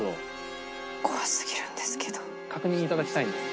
確認いただきたいんですが。